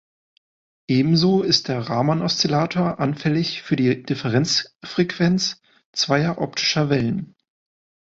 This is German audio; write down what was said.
Ebenso ist der Raman-Oszillator anfällig für die Differenzfrequenz zweier optischer Wellen.